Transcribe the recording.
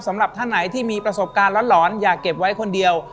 สำหรับท่านไหนที่มีประสบการณ์หลอนอย่าเก็บไว้คนเดียว